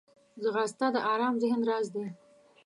ځغاسته د ارام ذهن راز دی